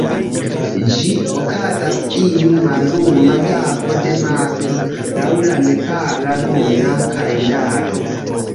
Ĝi okazas iu malluma tago de marto, laŭ la nepala luna kalendaro.